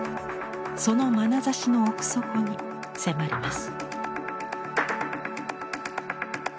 その「まなざし」の奥底に迫ります。